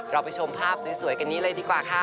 เราไปชมภาพสวยกันดีกว่าค่ะ